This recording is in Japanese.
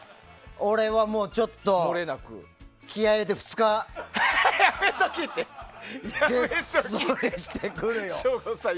俺はもう気合い入れて２日絶食してくるよ。